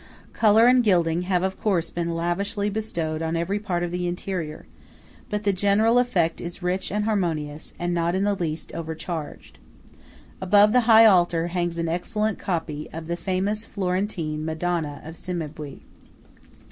Colour and gilding have of course been lavishly bestowed on every part of the interior; but the general effect is rich and harmonious, and not in the least overcharged. Above the high altar hangs an excellent copy of the famous Florentine Madonna of Cimabue.